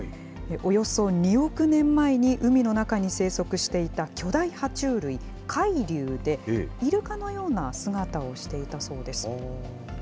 およそ２億年前に海の中に生息していた巨大は虫類、海竜で、イルカのような姿をしていたそうです。